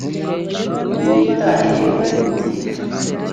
nimwitahire muri gutinda